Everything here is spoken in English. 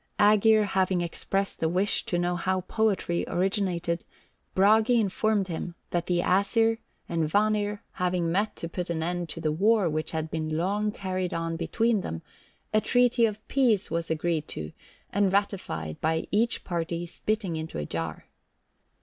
71. Ægir having expressed a wish to know how poetry originated, Bragi informed him that the Æsir and Vanir having met to put an end to the war which had long been carried on between them, a treaty of peace was agreed to and ratified by each party spitting into a jar.